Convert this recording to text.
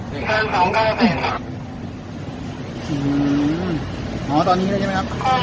ที่นี่เป็นนี่ตอนนี้ดูแลค่ะอืมอ๋อตอนนี้ใช่ไหมครับ